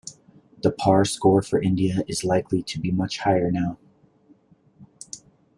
The par score for India is likely to be much higher now.